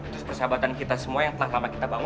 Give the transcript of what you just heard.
terus persahabatan kita semua yang telah lama kita bangun